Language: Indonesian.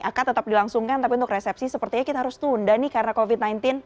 ak tetap dilangsungkan tapi untuk resepsi sepertinya kita harus tunda nih karena covid sembilan belas